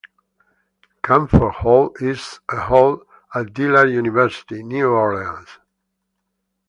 Camphor Hall is a hall at Dillard University, New Orleans.